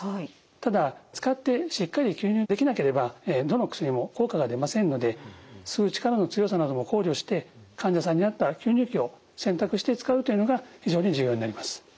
ただ使ってしっかり吸入できなければどの薬も効果が出ませんので吸う力の強さなども考慮して患者さんに合った吸入器を選択して使うというのが非常に重要になります。